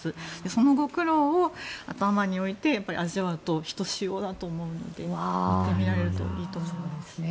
そのご苦労を頭に置いて味わうとひとしおだと思うので行ってみられるといいと思います。